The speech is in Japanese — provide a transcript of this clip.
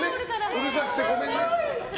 うるさくてごめんね。